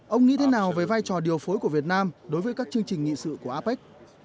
ông nghĩ thế nào về vai trò điều phối của việt nam đối với các chương trình nghị sự của apec